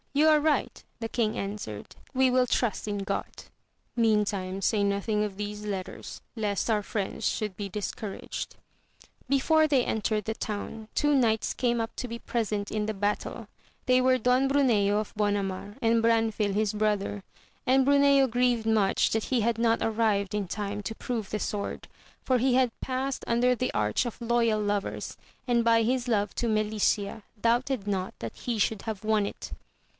you are right, the king answered, we will trust in God. Meantime, say nothing of these letters, lest our friends should be discouraged. Before they entered the town two knights came up to be present in the battle, they were Don Bruneo of Bonamar, and Branfil his brother ; and Bruneo grieved much that he had not arrived in time to prove the sword, for he had passed under the arch of Loyal Lovers, and by his love to Melicia doubted not that he should have won it.